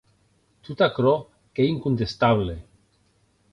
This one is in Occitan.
Tot aquerò qu’ei incontestable.